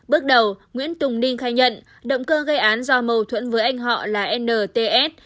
bước đầu nguyễn tùng ninh khai nhận động cơ gây án do mâu thuẫn với anh họ là nts